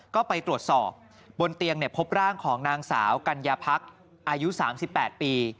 ก็ไปตรวจสอบบนเตียงพบร่างของนางสาวกัญญาพักอายุ๓๘ปี